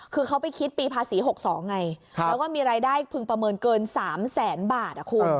คือเขาไปคิดปีภาษี๖๒ไงแล้วก็มีรายได้พึงประเมินเกิน๓แสนบาทคุณ